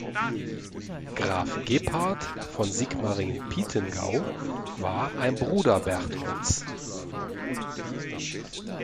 Graf Gebhard von Sigmaringen-Pietengau war ein Bruder Bertholds.